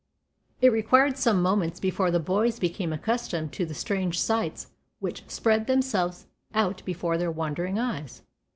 It required some moments before the boys became accustomed to the strange sights which spread themselves out before their wondering eyes.